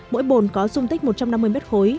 mỗi bồn có dung tích một trăm năm mươi m ba